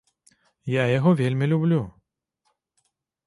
Я яго вельмі люблю.